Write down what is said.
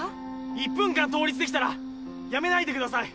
１分間倒立できたらやめないでください。